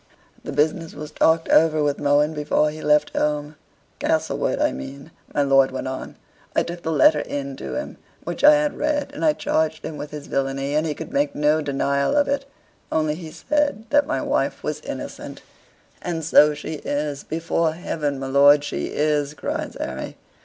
"The business was talked over with Mohun before he left home Castlewood I mean" my lord went on. "I took the letter in to him, which I had read, and I charged him with his villainy, and he could make no denial of it, only he said that my wife was innocent." "And so she is; before heaven, my lord, she is!" cries Harry.